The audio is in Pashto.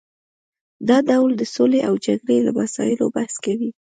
دا ډول د سولې او جګړې له مسایلو بحث کوي